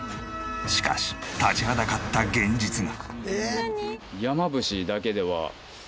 しかし立ちはだかった現実が。